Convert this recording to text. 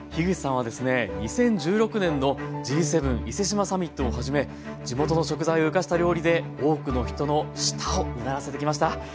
口さんはですね２０１６年のＧ７伊勢志摩サミットをはじめ地元の食材を生かした料理で多くの人の舌をうならせてきました。